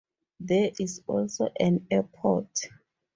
There is also an airport.